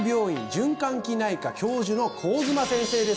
循環器内科教授の上妻先生です